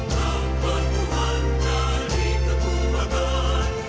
rampan tuhan jadi kekuatan